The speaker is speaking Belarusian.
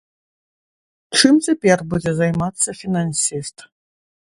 Чым цяпер будзе займацца фінансіст?